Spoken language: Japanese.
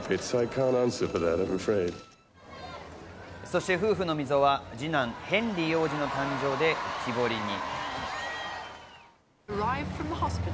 そして夫婦の溝は二男ヘンリー王子の誕生で浮き彫りに。